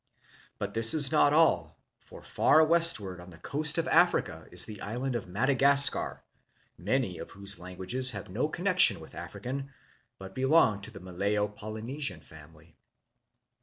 But this is not all; for far westward on the coast of Africa is the island of Madagascar, many of whose languages have no connection with African but belong to the Malayo Polynesian family.